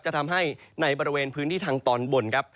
จะทำให้ในบริเวณพื้นที่ทางตอนบนครับ